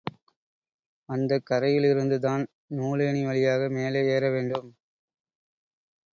அந்தக் கரையிலிருந்துதான் நூலேணி வழியாக மேலே ஏற வேண்டும்.